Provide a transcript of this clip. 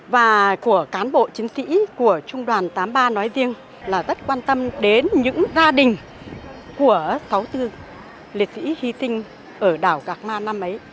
và của cán bộ chiến sĩ của trung đoàn tám mươi ba nói riêng là rất quan tâm đến những gia đình của sáu mươi bốn liệt sĩ hy sinh ở đảo gạc ma năm ấy